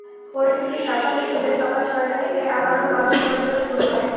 পরিস্থিতি স্বাভাবিক হলে সকাল ছয়টা থেকে আবারও লঞ্চ চলাচল শুরু হয়।